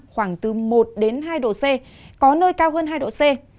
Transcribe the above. khoảng từ một đến hai độ c có nơi cao hơn hai độ c